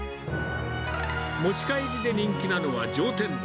持ち帰りで人気なのは上天丼。